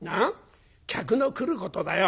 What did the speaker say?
客の来ることだよ」。